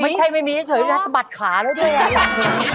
ไม่ใช่ไม่มีเฉยสะบัดขาแล้วเธอ